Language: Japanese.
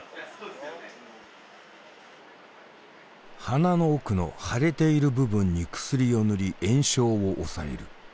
鼻の奥の腫れている部分に薬を塗り炎症を抑える。